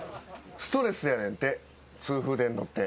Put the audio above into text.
ストレスやねんて。